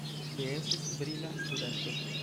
Li estis brila studento.